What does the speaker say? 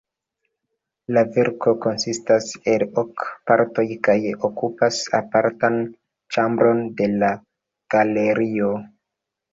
La verko konsistas el ok partoj kaj okupas apartan ĉambron de la galerio.